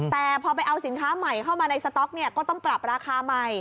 แต่พอไปเอาสินค้าใหม่เข้ามาในสต๊อกเนี่ยก็ต้องปรับราคาใหม่